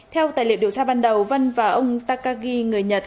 theo tài liệu điều tra ban đầu vân và ông takagi người nhật